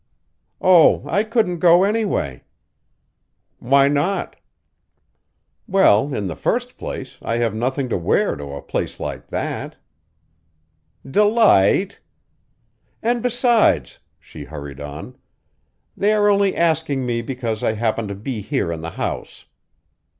"Oh, I couldn't go anyway." "Why not?" "Well, in the first place, I have nothing to wear to a place like that." "Delight!" "And besides," she hurried on, "they are only asking me because I happen to be here in the house."